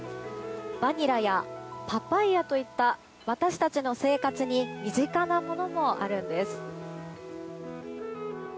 バニラやパパイアといった私たちの生活に身近なものもあるんです。